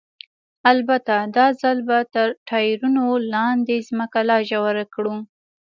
البته دا ځل به تر ټایرونو لاندې ځمکه لا ژوره کړو.